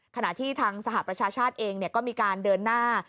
ชะมัดที่ทางสหประชาชาติเช่นด้วยแบบนี้ก็มีการเดินหน้า